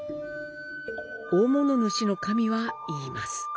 大物主神は言います。